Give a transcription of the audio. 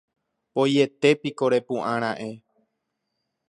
¡Voietépiko repu'ãra'e!